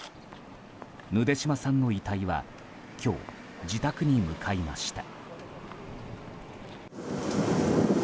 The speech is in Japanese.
ヌデシマさんの遺体は今日、自宅に向かいました。